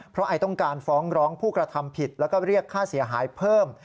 เพราะไอต้องการฟ้องร้องผู้กระทำผิดแล้วก็เรียกค่าเสียหายเพิ่ม